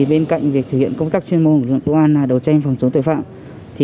bên cạnh việc thực hiện công tác chuyên môn của lực lượng công an đấu tranh phòng chống tội phạm